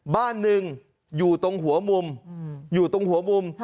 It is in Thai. บ้านหนึ่งอยู่ตรงหัวมุมอยู่ตรงหัวมุม